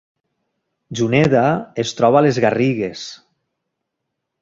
Juneda es troba a les Garrigues